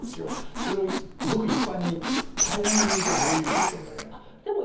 それをごく一般に平らに言うとどういうことになりますかね。